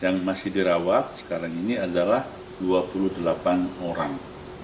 yang masih dirawat sekarang ini adalah dua puluh delapan orang